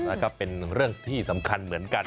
แล้วก็เป็นเรื่องที่สำคัญเหมือนกัน